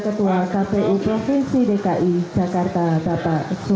assalamualaikum warahmatullahi wabarakatuh